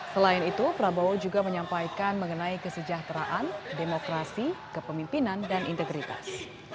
selain itu prabowo juga menyampaikan mengenai kesejahteraan demokrasi kepemimpinan dan integritas